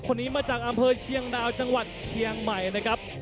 คนนี้มาจากอำเภอเชียงดาวจังหวัดเชียงใหม่นะครับ